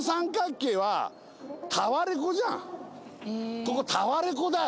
ここタワレコだよ。